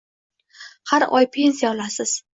Har oy pensiya olasiz.